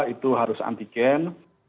itu harus antigen